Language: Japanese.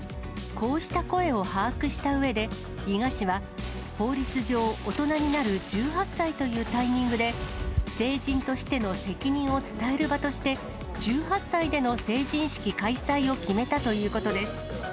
こうした声を把握したうえで、伊賀市は、法律上、大人になる１８歳というタイミングで、成人としての責任を伝える場として、１８歳での成人式開催を決めたということです。